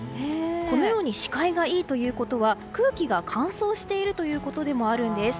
このように視界がいいということは空気が乾燥しているということでもあるんです。